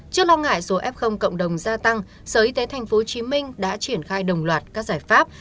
trước lo ngại số f cộng đồng gia tăng sở y tế thành phố hồ chí minh đã triển khai đồng loạt các giải pháp